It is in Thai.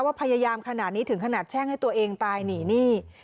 พยายามขนาดนี้ถึงขนาดแช่งให้ตัวเองตายหนีหนี้